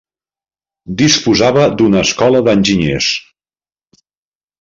Disposava d'una escola d'enginyers.